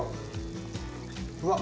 うわっ。